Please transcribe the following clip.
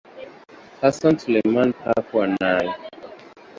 Hassan Suleiman hakuwa nayo.